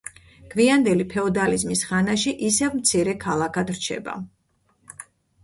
გვიანდელი ფეოდალიზმის ხანაში ისევ მცირე ქალაქად რჩება.